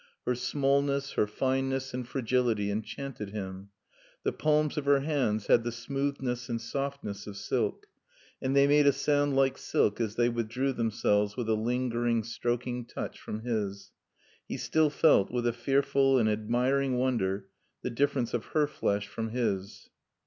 Her smallness, her fineness and fragility enchanted him. The palms of her hands had the smoothness and softness of silk, and they made a sound like silk as they withdrew themselves with a lingering, stroking touch from his. He still felt, with a fearful and admiring wonder, the difference of her flesh from his.